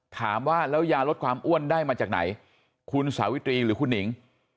ถามว่าแล้วยาลดความอ้วนได้มาจากไหนคุณสาวิตรีหรือคุณหนิง